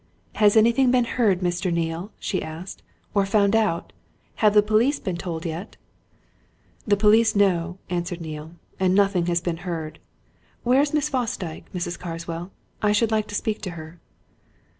"Has anything been heard, Mr. Neale?" she asked. "Or found out? Have the police been told yet?" "The police know," answered Neale. "And nothing has been heard. Where is Miss Fosdyke, Mrs. Carswell? I should like to speak to her."